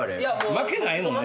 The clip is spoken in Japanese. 負けないもんね？